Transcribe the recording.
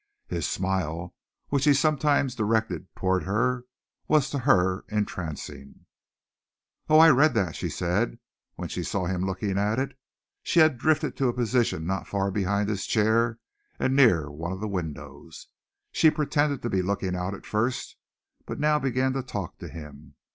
His smile, which he sometimes directed toward her, was to her entrancing. "Oh, I read that," she said, when she saw him looking at it. She had drifted to a position not far behind his chair and near one of the windows. She pretended to be looking out at first, but now began to talk to him.